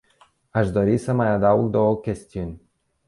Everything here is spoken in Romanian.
Aș dori să mai adaug două chestiuni.